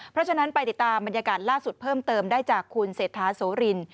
เพราะฉะนั้นไปติดตามบรรยากาศล่าสุดเพิ่มเติมได้จากคุณเศรษฐาโสริน